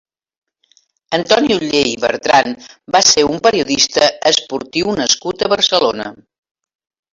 Antoni Ollé i Bertran va ser un periodista esportiu nascut a Barcelona.